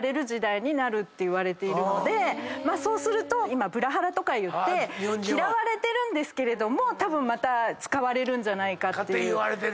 そうすると今ブラハラとかいって嫌われてるけどたぶんまた使われるんじゃないかっていう。